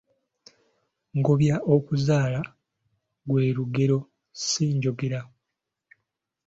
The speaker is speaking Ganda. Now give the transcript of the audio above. Ngobya okuzaala gwe lugero si njogera.